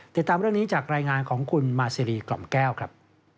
ติดตามเรื่องนี้จากรายงานของคุณมาซีรีกล่อมแก้วครับ